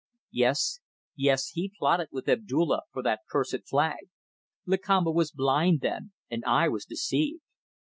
Yes, he plotted with Abdulla for that cursed flag. Lakamba was blind then, and I was deceived.